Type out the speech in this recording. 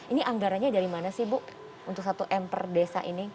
ini anggarannya dari mana sih bu untuk satu m per desa ini